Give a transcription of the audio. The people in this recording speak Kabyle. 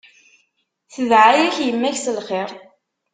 Tedɛa-yak yemma-k s lxir.